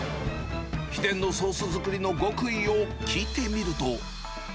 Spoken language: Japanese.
秘伝のソース作りの極意を聞いてみると。